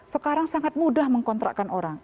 sekarang sangat mudah mengkontrakkan orang